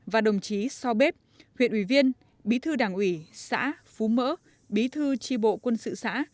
và đồng chí so bếp huyện ủy viên bí thư đảng ủy xã phú mỡ bí thư tri bộ quân sự xã